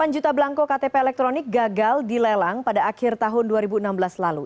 delapan juta belangko ktp elektronik gagal dilelang pada akhir tahun dua ribu enam belas lalu